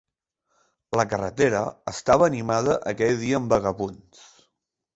La carretera estava animada aquell dia amb vagabunds.